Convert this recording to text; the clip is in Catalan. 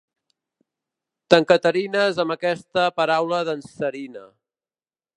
T'encaterines amb aquesta paraula dansarina.